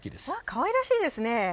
かわいらしいですねえ。